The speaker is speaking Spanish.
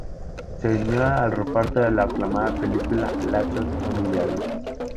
Se unió al reparto de la aclamada película "Lazos Familiares".